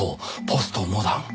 『ポストモダン』。